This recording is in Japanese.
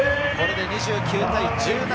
これで２９対１７。